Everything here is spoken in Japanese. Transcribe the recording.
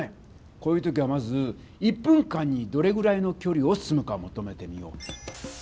こういう時はまず１分間にどれぐらいのきょりを進むかもとめてみよう。